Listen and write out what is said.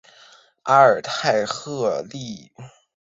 阿尔泰鹤虱为紫草科鹤虱属天山鹤虱的变种。